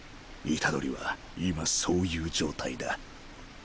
虎杖は今そういう状態だ。